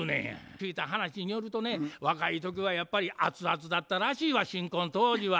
聞いた話によるとね若い時はやっぱりアツアツだったらしいわ新婚当時は。